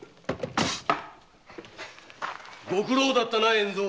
ご苦労だったな円蔵。